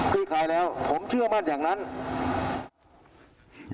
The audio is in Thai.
ที่เคยแล้วผมเชื่อมั่นแห่งนั้น